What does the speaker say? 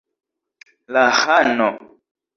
La ĥano!